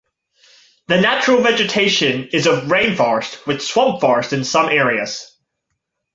The natural vegetation is of rain forest with swamp forest in some areas.